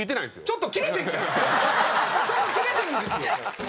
ちょっとキレてるんですよ。